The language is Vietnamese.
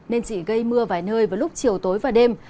nên chỉ gây mưa vài nơi vào lúc chiều tối và đêm